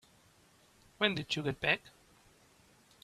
When did you get back?